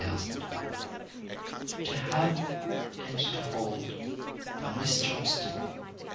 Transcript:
400,000 "To Have and to Hold," by Miss Johnston